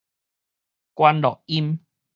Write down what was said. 關落陰